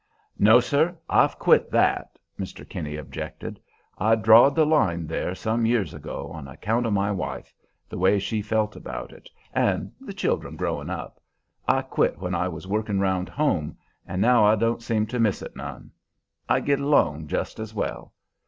"No, sir! I've quit that," Mr. Kinney objected. "I drawed the line there some years ago, on account of my wife, the way she felt about it, and the children growin' up. I quit when I was workin' round home, and now I don't seem to miss it none. I git along jest as well.